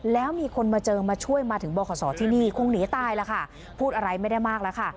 แล้วมีคนมาเจอมาช่วยมาถึงบขศที่นี่คงหนีตายแล้วค่ะพูดอะไรไม่ได้มากแล้วค่ะ